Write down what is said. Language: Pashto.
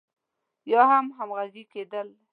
يا هم همغږي کېدل.